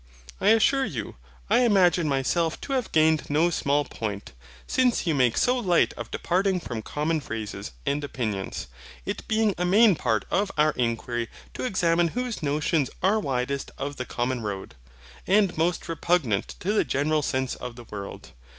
I assure you, I imagine myself to have gained no small point, since you make so light of departing from common phrases and opinions; it being a main part of our inquiry, to examine whose notions are widest of the common road, and most repugnant to the general sense of the world.